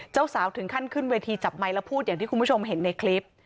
เจ้าสาวถึงขั้นขึ้นเวทีจับไมค์แล้วพูดอย่างที่คุณผู้ชมเห็นในคลิป